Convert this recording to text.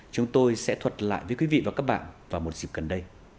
chúng tôi sẽ thuật lại với quý vị và các bạn vào một dịp gần đây